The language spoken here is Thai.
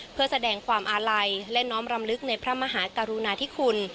เพื่อแสดงความอาลัยและน้อมรำลึกในพระมหากรุณาธิคุณ